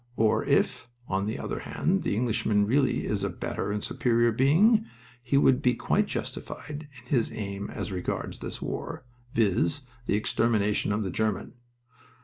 Or if, on the other hand, the Englishman really is a better and superior being, he would be quite justified in his aim as regards this war, viz., the extermination of the German.